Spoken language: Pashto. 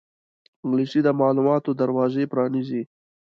انګلیسي د معلوماتو دروازې پرانیزي